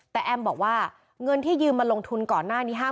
แต่แอมบอกว่าเงินที่ยืมมาลงทุนก่อนหน้านี้๕๐๐